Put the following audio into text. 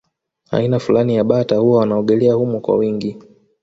Aina fulani ya bata huwa wanaogelea humo kwa wingi